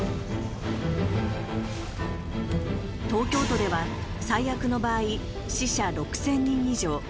東京都では、最悪の場合死者６０００人以上。